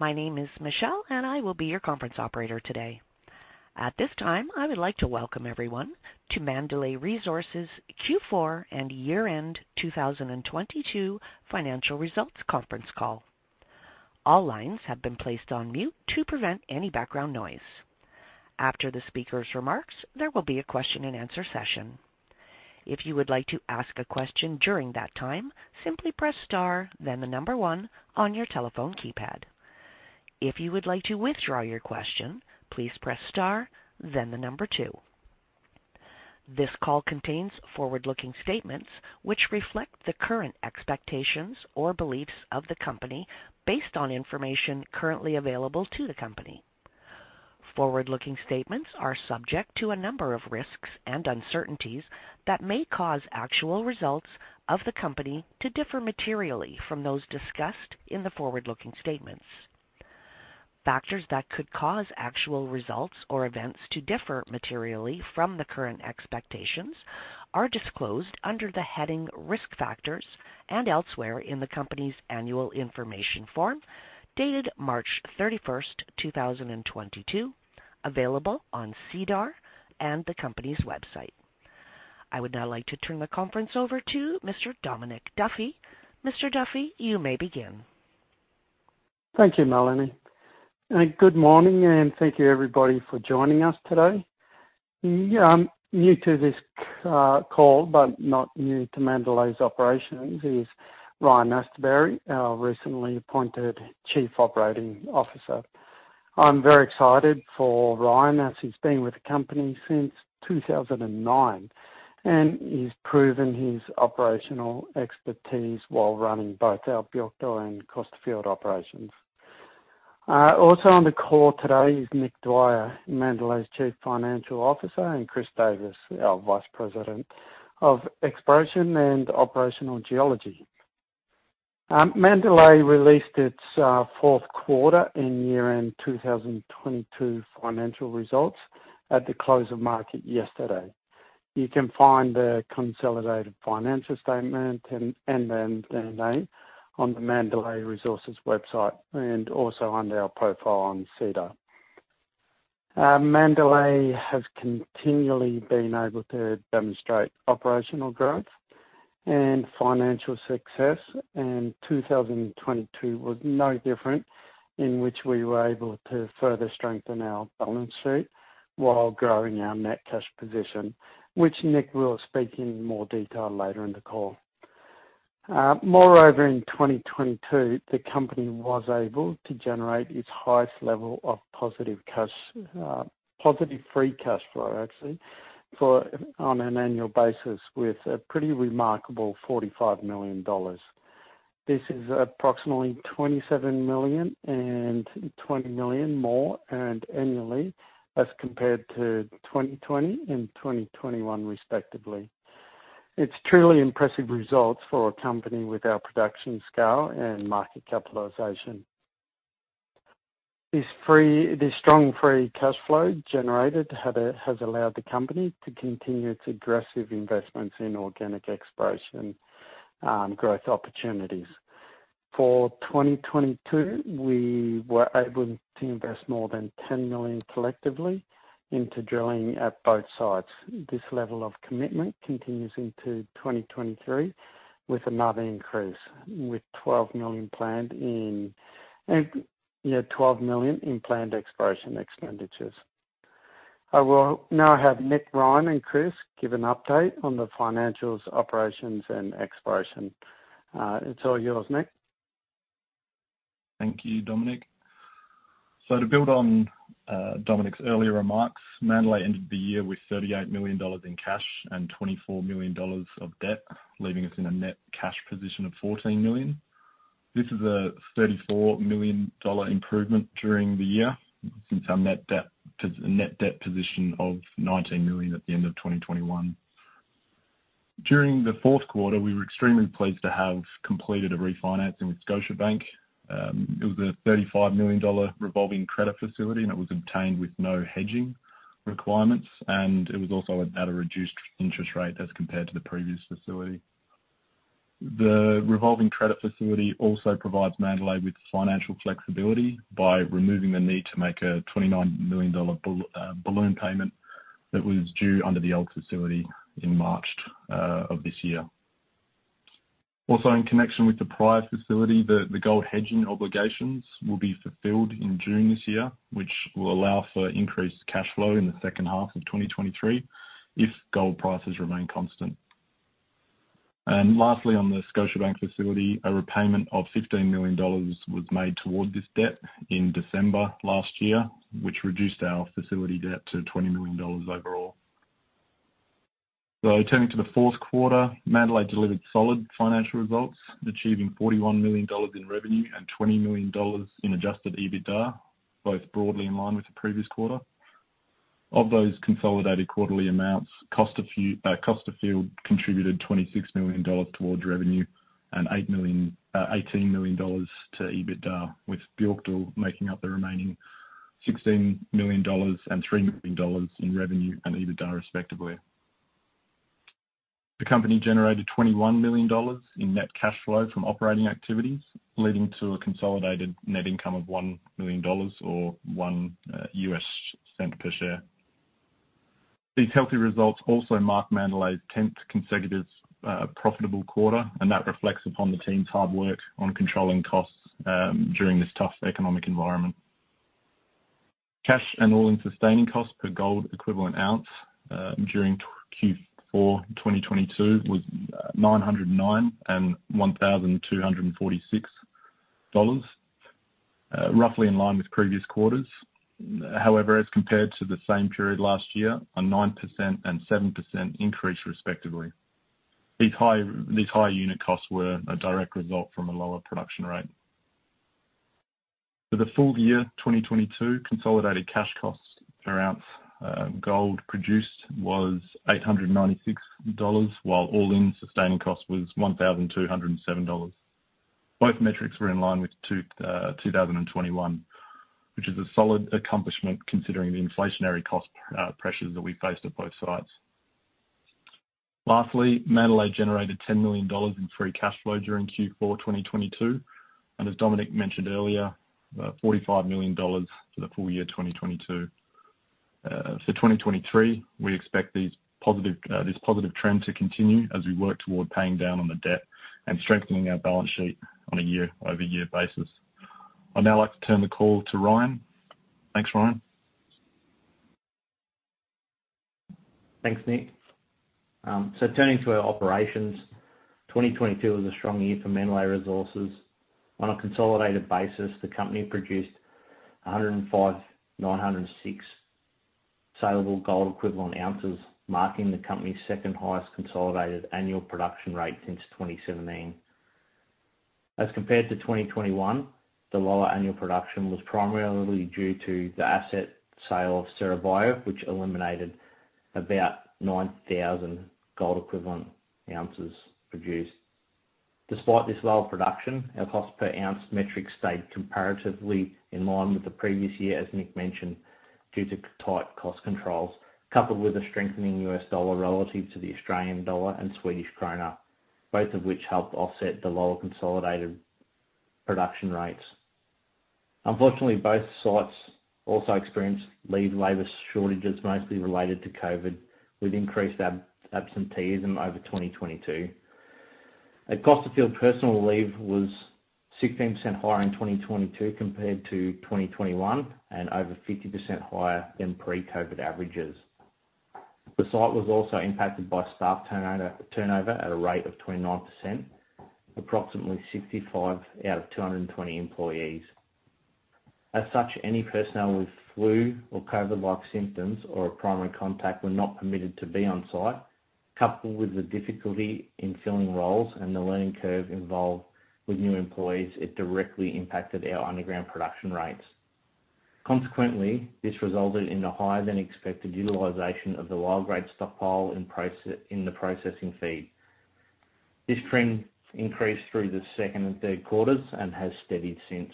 My name is Michelle. I will be your conference operator today. At this time, I would like to welcome everyone to Mandalay Resources Q4 and year-end 2022 Financial Results Conference Call. All lines have been placed on mute to prevent any background noise. After the speaker's remarks, there will be a question-and-answer session. If you would like to ask a question during that time, simply press star then one on your telephone keypad. If you would like to withdraw your question, please press star then two. This call contains forward-looking statements which reflect the current expectations or beliefs of the company based on information currently available to the company. Forward-looking statements are subject to a number of risks and uncertainties that may cause actual results of the company to differ materially from those discussed in the forward-looking statements. Factors that could cause actual results or events to differ materially from the current expectations are disclosed under the heading Risk Factors and elsewhere in the company's annual information form, dated March 31st, 2022, available on SEDAR and the company's website. I would now like to turn the conference over to Mr. Dominic Duffy. Mr. Duffy, you may begin. Thank you, Melanie. Good morning, thank you everybody for joining us today. Yeah, new to this call, but not new to Mandalay's operations is Ryan Austerberry, our recently appointed Chief Operating Officer. I'm very excited for Ryan, as he's been with the company since 2009, he's proven his operational expertise while running both our Björkdal and Costerfield operations. Also on the call today is Nick Dwyer, Mandalay's Chief Financial Officer; Chris Davis, our Vice President of Exploration and Operational Geology. Mandalay released its fourth quarter and year-end 2022 financial results at the close of market yesterday. You can find the consolidated financial statement and then their name on the Mandalay Resources website and also under our profile on SEDAR. Mandalay has continually been able to demonstrate operational growth and financial success, and 2022 was no different in which we were able to further strengthen our balance sheet while growing our net cash position, which Nick will speak in more detail later in the call. Moreover, in 2022, the company was able to generate its highest level of positive cash, positive free cash flow, actually, on an annual basis with a pretty remarkable $45 million. This is approximately $27 million and $20 million more annually as compared to 2020 and 2021 respectively. It's truly impressive results for a company with our production scale and market capitalization. This strong free cash flow generated has allowed the company to continue its aggressive investments in organic exploration, growth opportunities. For 2022, we were able to invest more than $10 million collectively into drilling at both sites. This level of commitment continues into 2023 with another increase, with $12 million planned in, and, you know, $12 million in planned exploration expenditures. I will now have Nick, Ryan and Chris give an update on the financials, operations, and exploration. It's all yours, Nick. Thank you, Dominic. To build on Dominic's earlier remarks, Mandalay ended the year with $38 million in cash and $24 million of debt, leaving us in a net cash position of $14 million. This is a $34 million improvement during the year since our net debt position of $19 million at the end of 2021. During the fourth quarter, we were extremely pleased to have completed a refinancing with Scotiabank. It was a $35 million revolving credit facility, and it was obtained with no hedging requirements, and it was also at a reduced interest rate as compared to the previous facility. The revolving credit facility also provides Mandalay with financial flexibility by removing the need to make a $29 million balloon payment that was due under the old facility in March of this year. Also, in connection with the prior facility, the gold hedging obligations will be fulfilled in June this year, which will allow for increased cash flow in the second half of 2023 if gold prices remain constant. Lastly, on the Scotiabank facility, a repayment of $15 million was made toward this debt in December last year, which reduced our facility debt to $20 million overall. Turning to the fourth quarter, Mandalay delivered solid financial results, achieving $41 million in revenue and $20 million in adjusted EBITDA, both broadly in line with the previous quarter. Of those consolidated quarterly amounts, Costerfield contributed $26 million towards revenue and $18 million to EBITDA, with Björkdal making up the remaining $16 million and $3 million in revenue and EBITDA, respectively. The company generated $21 million in net cash flow from operating activities, leading to a consolidated net income of $1 million or $0.01 per share. These healthy results also mark Mandalay's tenth consecutive profitable quarter, and that reflects upon the team's hard work on controlling costs during this tough economic environment. Cash and all-in sustaining costs per gold equivalent ounce during Q4 of 2022 was $909 and $1,246, roughly in line with previous quarters. As compared to the same period last year, a 9% and 7% increase respectively. These high unit costs were a direct result from a lower production rate. For the full year 2022, consolidated cash costs per ounce gold produced was $896, while all-in sustaining costs was $1,207. Both metrics were in line with 2021, which is a solid accomplishment considering the inflationary cost pressures that we faced at both sites. Mandalay generated $10 million in free cash flow during Q4 of 2022, and as Dominic mentioned earlier, $45 million for the full year 2022. 2023, we expect these positive, this positive trend to continue as we work toward paying down on the debt and strengthening our balance sheet on a year-over-year basis. I'd now like to turn the call to Ryan. Thanks, Ryan. Thanks, Nick. Turning to our operations, 2022 was a strong year for Mandalay Resources. On a consolidated basis, the company produced 105,906 saleable gold equivalent ounces, marking the company's second-highest consolidated annual production rate since 2017. As compared to 2021, the lower annual production was primarily due to the asset sale of Cerro Bayo, which eliminated about 9,000 gold equivalent ounces produced. Despite this low production, our cost per ounce metric stayed comparatively in line with the previous year, as Nick mentioned, due to tight cost controls, coupled with a strengthening U.S. dollar relative to the Australian dollar and Swedish krona, both of which helped offset the lower consolidated production rates. Unfortunately, both sites also experienced leave labor shortages, mostly related to COVID, with increased absenteeism over 2022. At Costerfield, personal leave was 16% higher in 2022 compared to 2021 and over 50% higher than pre-COVID averages. The site was also impacted by staff turnover at a rate of 29%, approximately 65 out of 220 employees. As such, any personnel with flu or COVID-like symptoms or a primary contact were not permitted to be on-site. Coupled with the difficulty in filling roles and the learning curve involved with new employees, it directly impacted our underground production rates. This resulted in a higher-than-expected utilization of the lower grade stockpile in the processing feed. This trend increased through the second and third quarters and has steadied since.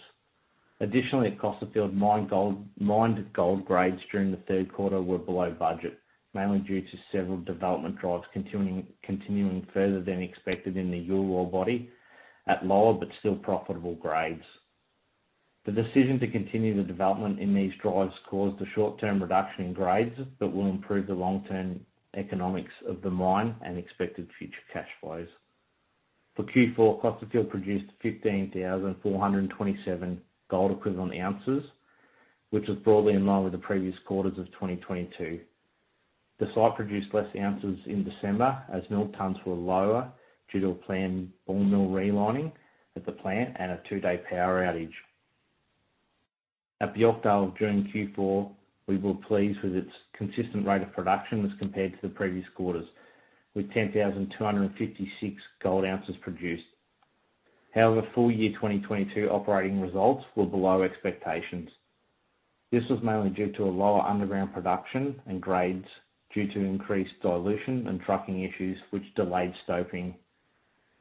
Additionally, at Costerfield, mined gold grades during the third quarter were below budget, mainly due to several development drives continuing further than expected in the Youle ore body at lower but still profitable grades. The decision to continue the development in these drives caused a short-term reduction in grades that will improve the long-term economics of the mine and expected future cash flows. For Q4, Costerfield produced 15,427 gold equivalent ounces, which was broadly in line with the previous quarters of 2022. The site produced less ounces in December as milled tons were lower due to a planned ball mill relining at the plant and a two-day power outage. At Björkdal during Q4, we were pleased with its consistent rate of production as compared to the previous quarters, with 10,256 gold ounces produced. Full year 2022 operating results were below expectations. This was mainly due to a lower underground production and grades due to increased dilution and trucking issues which delayed stoping.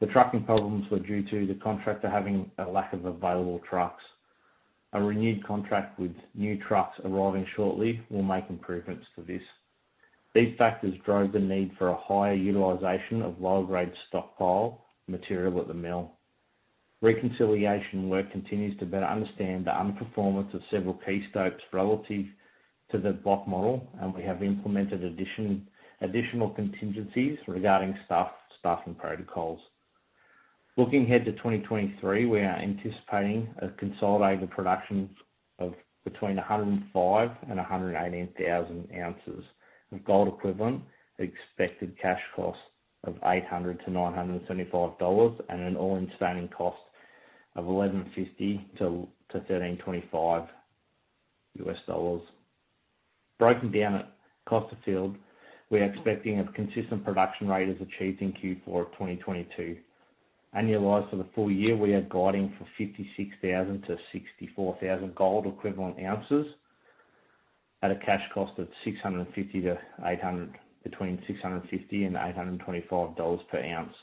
The trucking problems were due to the contractor having a lack of available trucks. A renewed contract with new trucks arriving shortly will make improvements to this. These factors drove the need for a higher utilization of lower-grade stockpile material at the mill. Reconciliation work continues to better understand the underperformance of several key stopes relative to the block model, and we have implemented additional contingencies regarding staffing protocols. Looking ahead to 2023, we are anticipating a consolidated production of between 105oz and 180,000oz of gold equivalent, expected cash costs of $800-$975, and an all-in sustaining costs of $1,150-$1,325. Broken down at Costerfield, we are expecting a consistent production rate as achieved in Q4 of 2022. Annualized for the full year, we are guiding for 56,000 to 64,000 gold equivalent ounces at a cash cost of $650-$800, between $650 and $825 per ounce.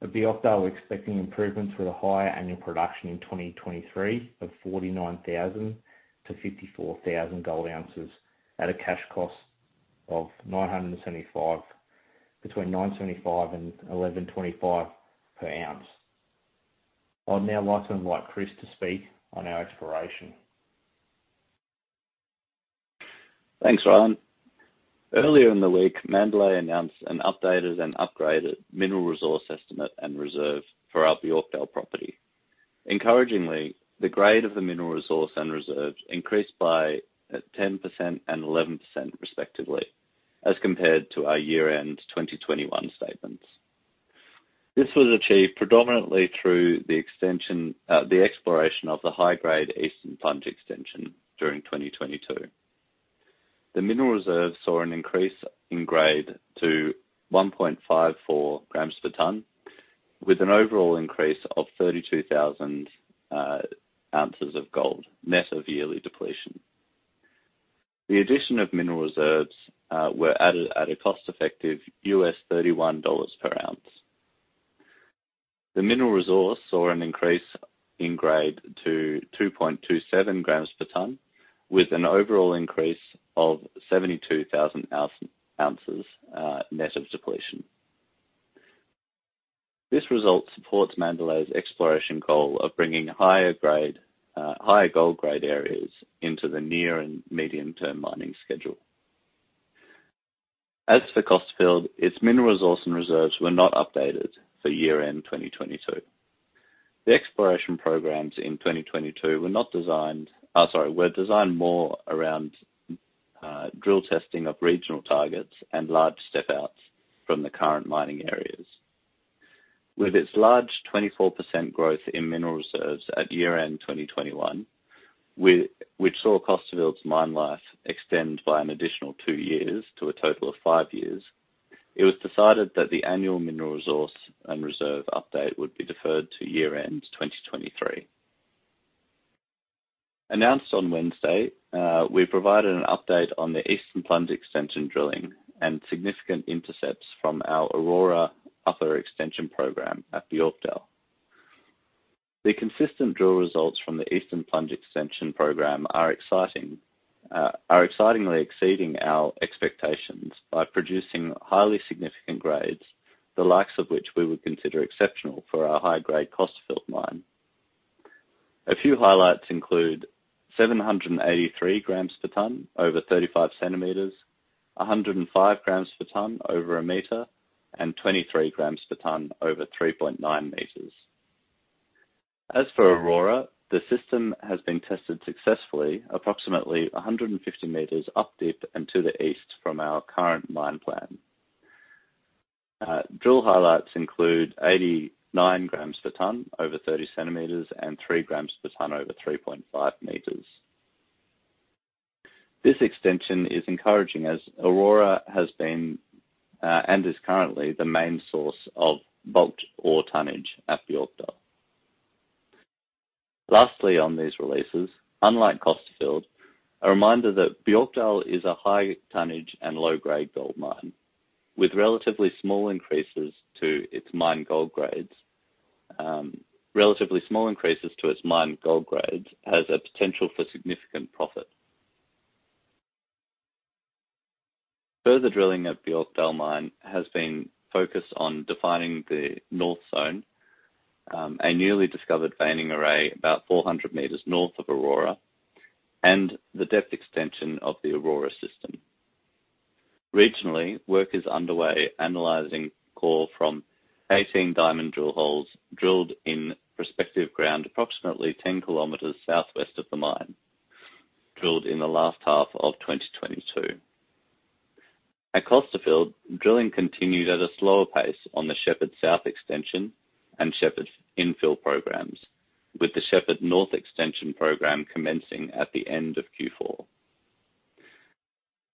At Björkdal, we're expecting improvements with a higher annual production in 2023 of 49,000 to 54,000 gold ounces at a cash cost of $975 between $975 and $1,125 per ounce. I'd now like to invite Chris to speak on our exploration. Thanks, Ryan. Earlier in the week, Mandalay announced an updated and upgraded mineral resource estimate and reserve for our Björkdal property. Encouragingly, the grade of the mineral resource and reserves increased by 10% and 11% respectively, as compared to our year-end 2021 statements. This was achieved predominantly through the exploration of the high-grade Eastern Plunge extension during 2022. The mineral reserves saw an increase in grade to 1.54 grams per ton, with an overall increase of 32,000oz of gold, net of yearly depletion. The addition of mineral reserves were added at a cost-effective $31 per ounce. The mineral resource saw an increase in grade to 2.27 grams per ton, with an overall increase of 72,000 ounces net of depletion. This result supports Mandalay's exploration goal of bringing higher grade, higher gold grade areas into the near and medium-term mining schedule. Costerfield, its mineral resource and reserves were not updated for year-end 2022. The exploration programs in 2022 were designed more around drill testing of regional targets and large step-outs from the current mining areas. With its large 24% growth in mineral reserves at year-end 2021, which saw Costerfield's mine life extend by an additional two years to a total of five years, it was decided that the annual mineral resource and reserve update would be deferred to year-end 2023. Announced on Wednesday, we provided an update on the Eastern Plunge extension drilling and significant intercepts from our Aurora upper extension program at Björkdal. The consistent drill results from the Eastern Plunge extension program are excitingly exceeding our expectations by producing highly significant grades, the likes of which we would consider exceptional for our high-grade Costerfield mine. A few highlights include 783 grams per ton over 35cm, 105 grams per ton over a meter, and 23 grams per ton over 3.9m. As for Aurora, the system has been tested successfully approximately 150m up dip and to the east from our current mine plan. Drill highlights include 89 grams per ton over 30cm and 3 grams per ton over 3.5m. This extension is encouraging as Aurora has been and is currently the main source of bulk ore tonnage at Björkdal. On these releases, unlike Costerfield, a reminder that Björkdal is a high tonnage and low-grade gold mine, with relatively small increases to its mined gold grades, has a potential for significant profit. Further drilling at Björkdal Mine has been focused on defining the north zone, a newly discovered veining array about 400 meters north of Aurora and the depth extension of the Aurora system. Regionally, work is underway analyzing core from 18 diamond drill holes drilled in prospective ground approximately 10km southwest of the mine, drilled in the last half of 2022. At Costerfield, drilling continued at a slower pace on the Shepherd South extension and Shepherd infill programs, with the Shepherd North extension program commencing at the end of Q4.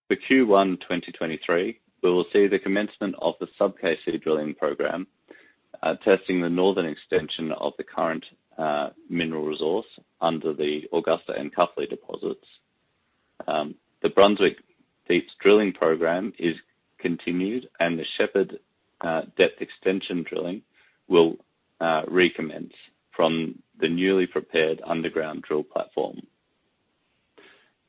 For Q1 2023, we will see the commencement of the sub-KC drilling program, testing the northern extension of the current mineral resource under the Augusta and Cuffley deposits. The Brunswick deeps drilling program is continued and the Shepherd depth extension drilling will recommence from the newly prepared underground drill platform.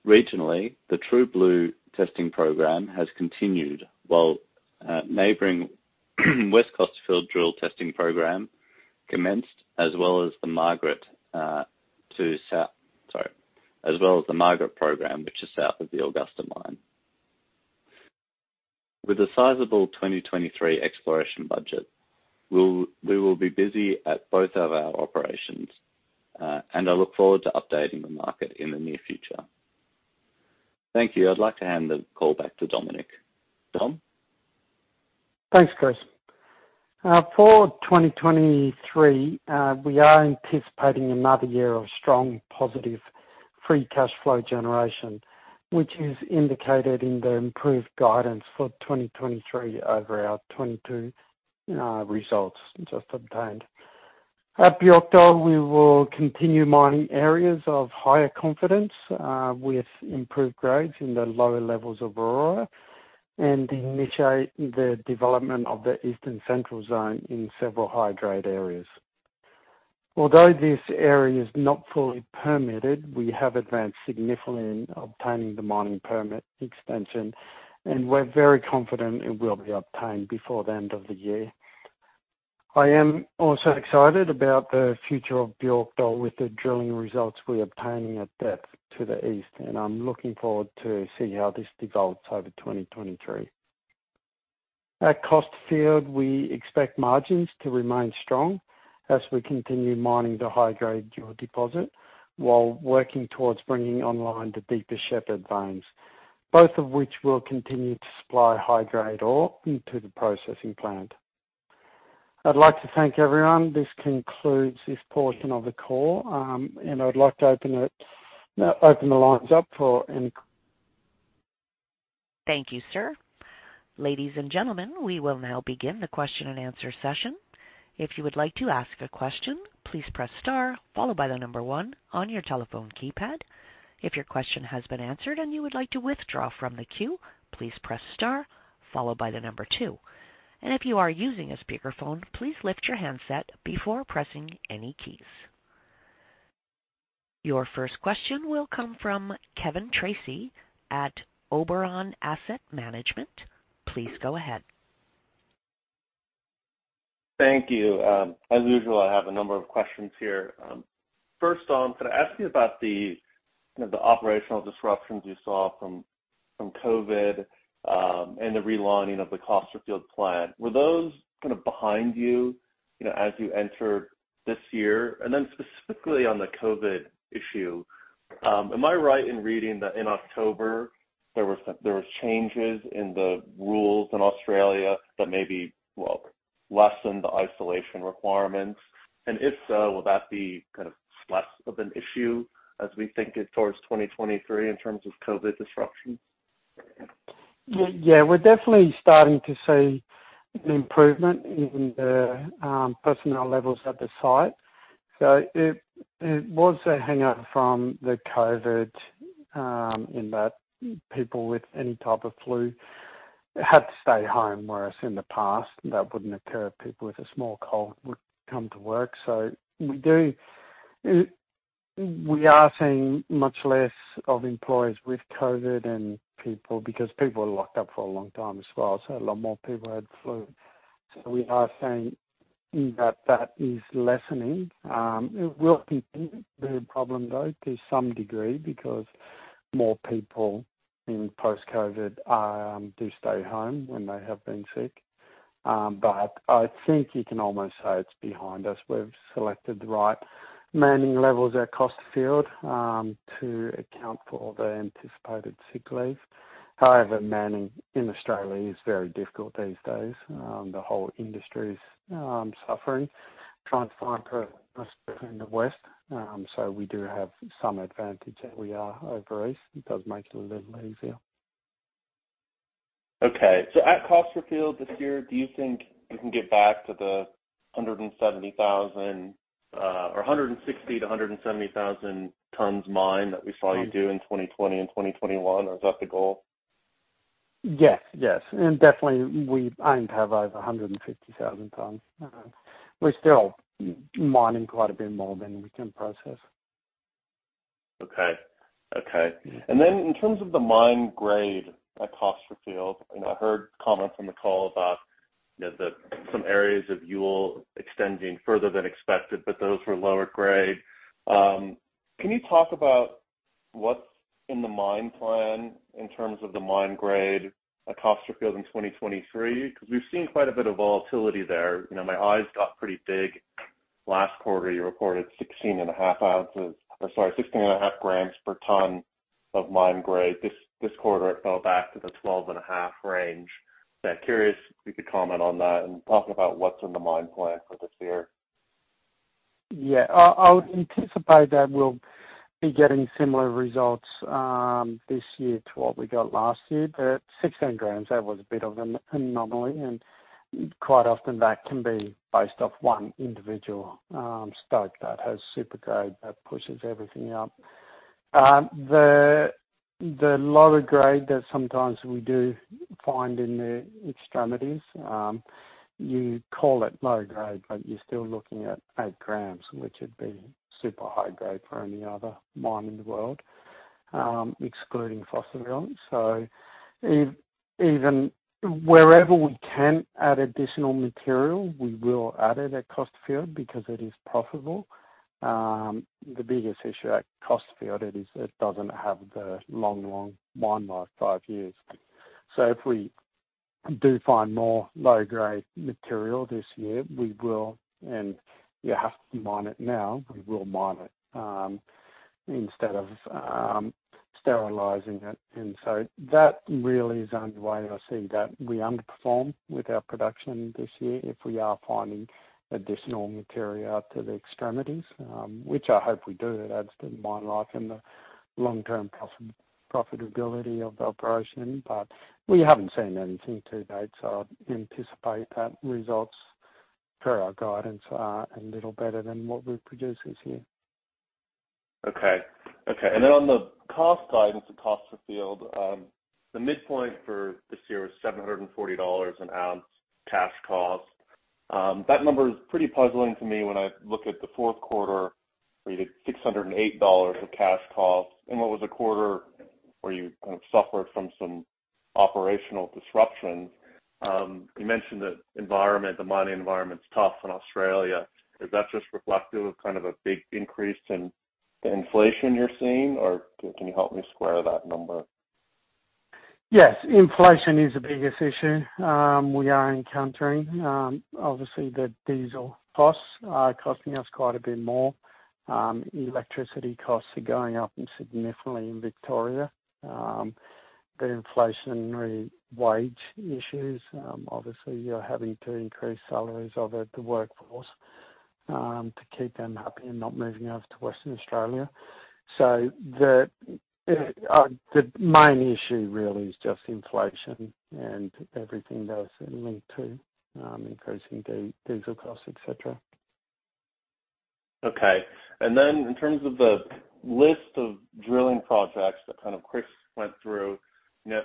Regionally, the True Blue testing program has continued while neighboring West Costerfield drill testing program commenced as well as the Margaret program, which is south of the Augusta mine. With a sizable 2023 exploration budget, we will be busy at both of our operations, and I look forward to updating the market in the near future. Thank you. I'd like to hand the call back to Dominic. Dom? Thanks, Chris. For 2023, we are anticipating another year of strong positive free cash flow generation, which is indicated in the improved guidance for 2023 over our 2022 results just obtained. At Björkdal, we will continue mining areas of higher confidence, with improved grades in the lower levels of Aurora, and initiate the development of the Eastern Central Zone in several high-grade areas. Although this area is not fully permitted, we have advanced significantly in obtaining the mining permit extension, and we're very confident it will be obtained before the end of the year. I am also excited about the future of Björkdal with the drilling results we're obtaining at depth to the east, and I'm looking forward to see how this develops over 2023. At Costerfield, we expect margins to remain strong as we continue mining the high-grade Youle deposit, while working towards bringing online the deeper Shepherd veins. Both of which will continue to supply high-grade ore into the processing plant. I'd like to thank everyone. This concludes this portion of the call. I'd like to open the lines up for any Thank you, sir. Ladies and gentlemen, we will now begin the question-and-answer session. If you would like to ask a question, please press star followed by star on your telephone keypad. If your question has been answered and you would like to withdraw from the queue, please press star followed by two. If you are using a speakerphone, please lift your handset before pressing any keys. Your first question will come from Kevin Tracey at Oberon Asset Management. Please go ahead. Thank you. As usual, I have a number of questions here. First off, could I ask you about the, you know, the operational disruptions you saw from COVID, and the realigning of the Costerfield plant? Were those kind of behind you know, as you entered this year? Then specifically on the COVID issue, am I right in reading that in October there was changes in the rules in Australia that maybe, well, lessened the isolation requirements? If so, will that be kind of less of an issue as we think towards 2023 in terms of COVID disruptions? Yeah, we're definitely starting to see an improvement in the personnel levels at the site. It was a hangup from the COVID in that people with any type of flu had to stay home, whereas in the past that wouldn't occur. People with a small cold would come to work. We are seeing much less of employees with COVID and people, because people are locked up for a long time as well, so a lot more people had flu. We are seeing that that is lessening. It will continue to be a problem though to some degree because more people in post-COVID do stay home when they have been sick. But I think you can almost say it's behind us. We've selected the right manning levels at Costerfield to account for all the anticipated sick leave. Manning in Australia is very difficult these days. The whole industry is suffering, trying to find personnel in the West. We do have some advantage that we are over East. It does make it a little bit easier. At Costerfield this year, do you think you can get back to the 170,000 tons, or 160,000 tons-170,000 tons mine that we saw you do in 2020 and 2021? Is that the goal? Yes. Yes. Definitely we aim to have over 150,000 tons. We're still mining quite a bit more than we can process. Okay. Okay. In terms of the mine grade at Costerfield, and I heard comments on the call about, you know, the, some areas of Youle extending further than expected, but those were lower grade. Can you talk about what's in the mine plan in terms of the mine grade at Costerfield in 2023? Because we've seen quite a bit of volatility there. You know, my eyes got pretty big. Last quarter, you reported 16.5 grams per ton of mine grade. This quarter, it fell back to the 12.5 range. Curious if you could comment on that and talk about what's in the mine plan for this year. Yeah. I would anticipate that we'll be getting similar results this year to what we got last year. The 16g, that was a bit of an anomaly, and quite often that can be based off one individual stoke that has super grade that pushes everything up. The lower grade that sometimes we do find in the extremities, you call it low grade, but you're still looking at 8g, which would be super high grade for any other mine in the world, excluding Fosterville. Even wherever we can add additional material, we will add it at Costerfield because it is profitable. The biggest issue at Costerfield, it is, it doesn't have the long mine life, five years. If we do find more low-grade material this year, we will, and you have to mine it now, we will mine it, instead of sterilizing it. That really is the only way I see that we underperform with our production this year if we are finding additional material to the extremities, which I hope we do. It adds to the mine life and the long-term custom profitability of the operation. We haven't seen anything to date, so I'd anticipate that results per our guidance are a little better than what we've produced this year. Okay. Okay. Then on the cost guidance at Costerfield, the midpoint for this year is $740 an ounce cash cost. That number is pretty puzzling to me when I look at the fourth quarter, where you did $608 of cash costs in what was a quarter where you kind of suffered from some operational disruptions. You mentioned the environment, the mining environment's tough in Australia. Is that just reflective of kind of a big increase in the inflation you're seeing? Or can you help me square that number? Yes. Inflation is the biggest issue we are encountering. Obviously, the diesel costs are costing us quite a bit more. Electricity costs are going up significantly in Victoria. The inflationary wage issues, obviously, you're having to increase salaries of the workforce to keep them happy and not moving over to Western Australia. The main issue really is just inflation and everything that is linked to increasing the diesel costs, et cetera. Okay. In terms of the list of drilling projects that kind of Chris went through. Not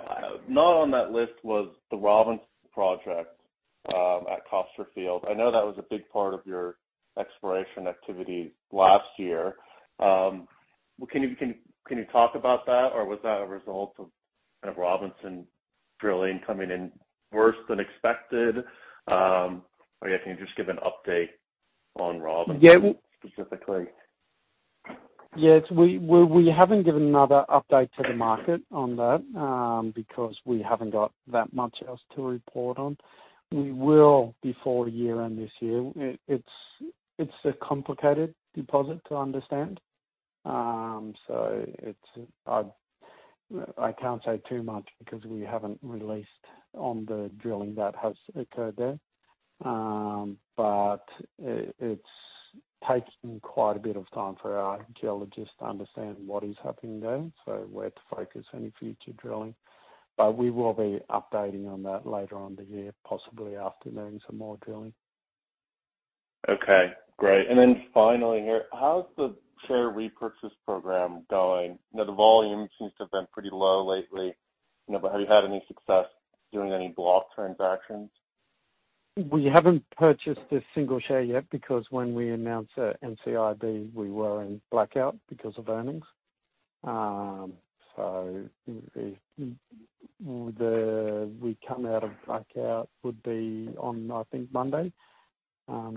on that list was the Robinson project at Costerfield. I know that was a big part of your exploration activity last year. Well, can you talk about that? Was that a result of kind of Robinson drilling coming in worse than expected? Or, yeah, can you just give an update on Robinson? Yeah. Specifically? Yes. We haven't given another update to the market on that, because we haven't got that much else to report on. We will before year-end this year. It's a complicated deposit to understand. I can't say too much because we haven't released on the drilling that has occurred there. It's taking quite a bit of time for our geologists to understand what is happening there, so where to focus any future drilling. We will be updating on that later on the year, possibly after doing some more drilling. Okay, great. Finally here, how's the share repurchase program going? The volume seems to have been pretty low lately. You know, have you had any success doing any block transactions? We haven't purchased a single share yet because when we announced, NCIB, we were in blackout because of earnings. The we come out of blackout would be on, I think, Monday,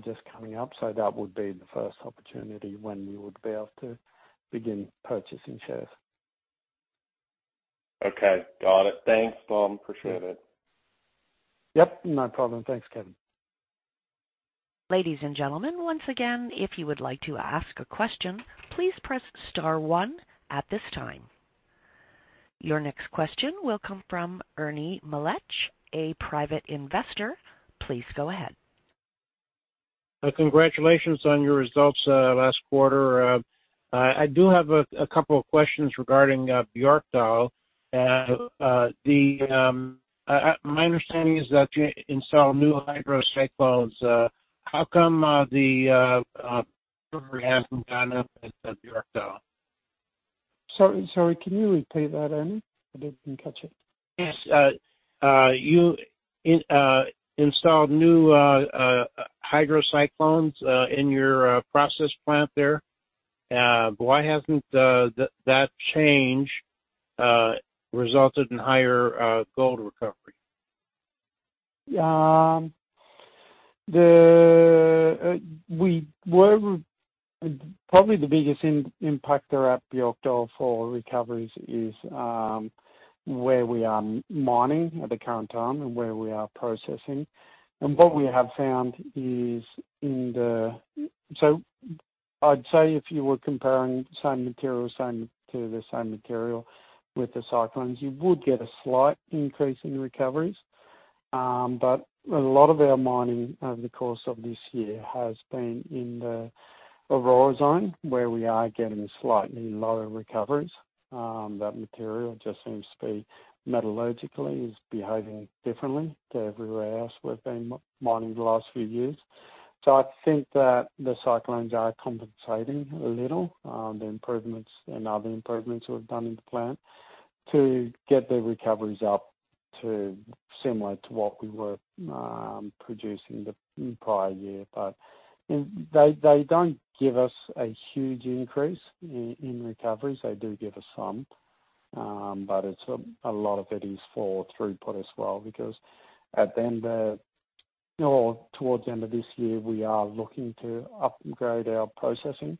just coming up. That would be the first opportunity when we would be able to begin purchasing shares. Okay. Got it. Thanks, Tom. Appreciate it. Yep. No problem. Thanks, Kevin. Ladies and gentlemen, once again, if you would like to ask a question, please press star one at this time. Your next question will come from Ernie Melech, a Private Investor. Please go ahead. Congratulations on your results last quarter. I do have a couple of questions regarding Björkdal. My understanding is that you installed new hydrocyclones. How come the recovery hasn't gone up at Björkdal? Sorry. Can you repeat that, Ernie? I didn't catch it. Yes. You installed new hydrocyclones in your process plant there. Why hasn't that change resulted in higher gold recovery? Probably the biggest impact there at Björkdal for recoveries is where we are mining at the current time and where we are processing. What we have found is I'd say if you were comparing the same material to the same material with the cyclones, you would get a slight increase in recoveries. A lot of our mining over the course of this year has been in the Aurora zone, where we are getting slightly lower recoveries. That material just seems to be, metallurgically, is behaving differently to everywhere else we've been mining the last few years. I think that the cyclones are compensating a little, the improvements and other improvements we've done in the plant to get the recoveries up to similar to what we were producing the prior year. They, they don't give us a huge increase in recoveries. They do give us some, but a lot of it is for throughput as well, because towards the end of this year, we are looking to upgrade our processing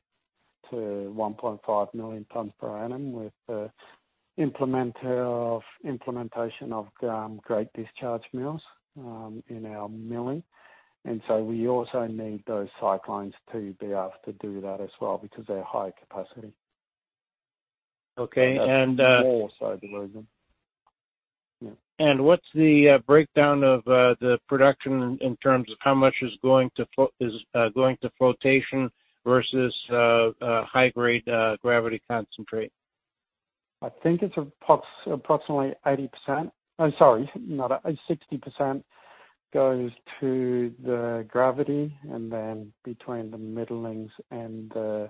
to 1.5 million tons per annum with the implementation of grate discharge mills in our milling. We also need those cyclones to be able to do that as well because they're high capacity. Okay. More so believe them. What's the breakdown of the production in terms of how much is going to flotation versus a high grade gravity concentrate? I think it's approximately 80%. I'm sorry, 60% goes to the gravity. Between the middlings and the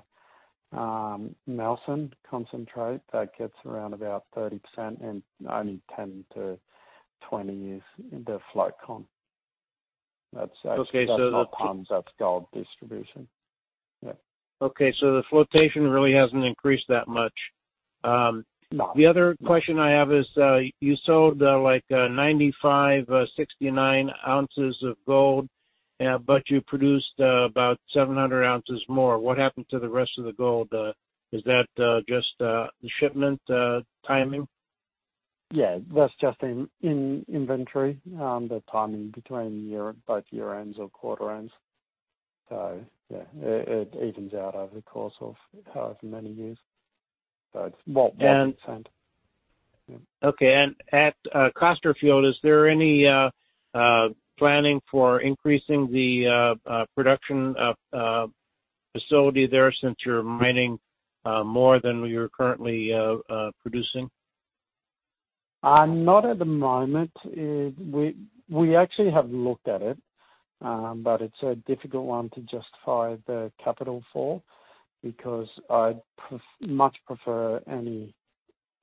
Knelson concentrate, that gets around about 30% and only 10%-20% is in the float conc. That's gold distribution. Yeah. Okay. The flotation really hasn't increased that much. No. The other question I have is, you sold like 95,069oz of gold, but you produced about 700oz more. What happened to the rest of the gold? Is that just the shipment timing? Yeah, that's just in inventory, the timing between both year-ends or quarter ends. Yeah, it evens out over the course of however many years. It's what we've sent. Okay. At Costerfield, is there any planning for increasing the production facility there since you're mining more than you're currently producing? Not at the moment. We actually have looked at it, but it's a difficult one to justify the capital for because I'd much prefer any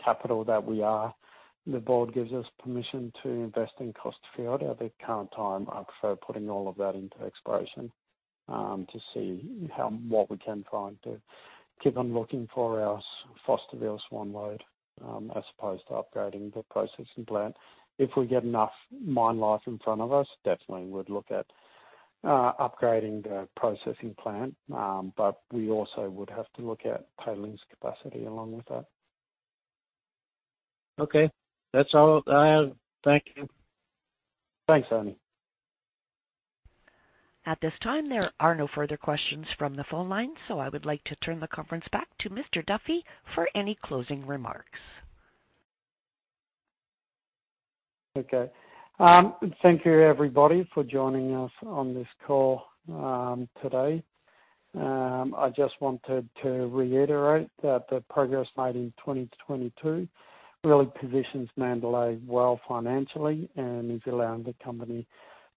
capital that we are. The board gives us permission to invest in Costerfield. At the current time, I prefer putting all of that into exploration to see what we can find to keep on looking for our Fosterville Swan zone as opposed to upgrading the processing plant. If we get enough mine life in front of us, definitely we'd look at upgrading the processing plant. We also would have to look at tailings capacity along with that. Okay. That's all I have. Thank you. Thanks, Ernie. At this time, there are no further questions from the phone line, so I would like to turn the conference back to Mr. Duffy for any closing remarks. Okay. Thank you everybody for joining us on this call today. I just wanted to reiterate that the progress made in 2022 really positions Mandalay well financially and is allowing the company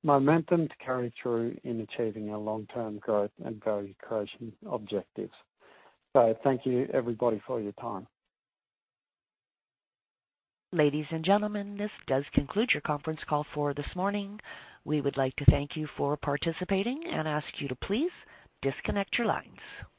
momentum to carry through in achieving our long-term growth and value creation objectives. Thank you everybody for your time. Ladies and gentlemen, this does conclude your conference call for this morning. We would like to thank you for participating and ask you to please disconnect your lines.